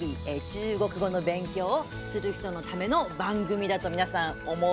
中国語の勉強をする人のための番組だと皆さん思うでしょ？